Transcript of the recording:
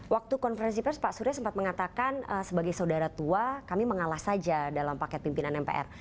waktu konferensi pers pak surya sempat mengatakan sebagai saudara tua kami mengalah saja dalam paket pimpinan mpr